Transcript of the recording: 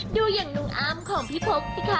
ดูอย่างนุงอามของพี่โภคสิคะ